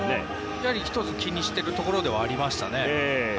やはり１つ気にしているところではありました。